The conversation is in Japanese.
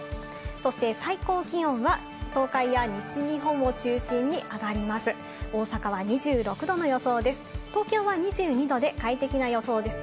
そして最高気温は東海や西日本を中心に上がります。